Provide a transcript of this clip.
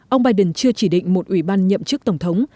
ông biden chưa chỉ định một ủy ban nhậm chức tổng thống